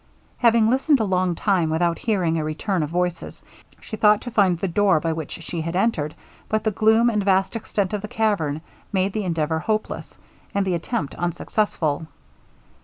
Having listened a long time without hearing a return of voices, she thought to find the door by which she had entered, but the gloom, and vast extent of the cavern, made the endeavour hopeless, and the attempt unsuccessful.